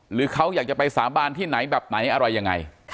หรือเขาอยากจะไปสาบานที่ไหนแบบไหนอะไรยังไง